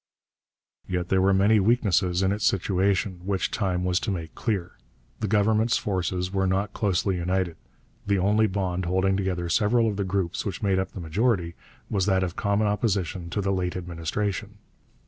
Yet there were many weaknesses in its situation, which time was to make clear. The Government's forces were not closely united: the only bond holding together several of the groups which made up the majority was that of common opposition to the late administration.